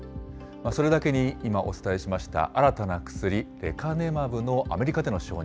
それだけに今、お伝えしました新たな薬、レカネマブのアメリカでの承認。